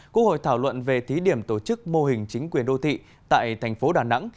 quốc hội thảo luận về thí điểm tổ chức mô hình chính quyền đô thị tại thành phố đà nẵng